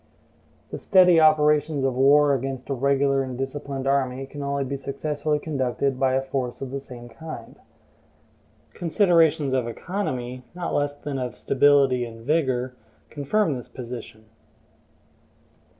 The steady operations of war against a regular and disciplined army can only be successfully conducted by a force of the same kind. Considerations of economy, not less than of stability and vigor, confirm this position.